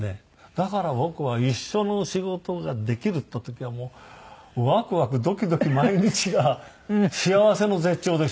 だから僕は一緒の仕事ができるっていった時はワクワクドキドキ毎日が幸せの絶頂でしたね。